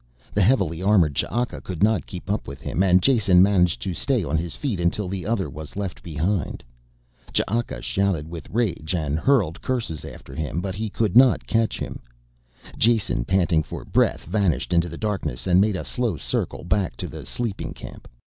The heavily armored Ch'aka could not keep up with him and Jason managed to stay on his feet until the other was left behind. Ch'aka shouted with rage and hurled curses after him, but he could not catch him. Jason, panting for breath, vanished into the darkness and made a slow circle back to the sleeping camp.